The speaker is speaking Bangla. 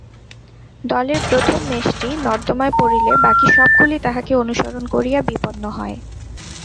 দলের প্রথম মেষটি নর্দমায় পড়িলে বাকী সবগুলি তাহাকে অনুসরণ করিয়া বিপন্ন হয়।